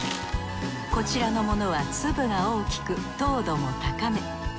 こちらのものは粒が大きく糖度も高め。